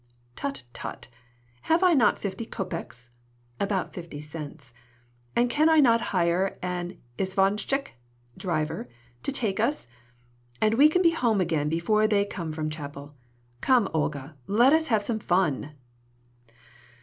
"Tut, tut! have I not fifty kopeks [about fifty cents], and can I not hire an isvochtchik [driver] to take us? and we can be home again before they come from chapel. Come, Olga, let us have some fun."